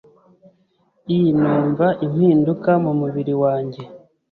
i numva impinduka mu mubiri wanjye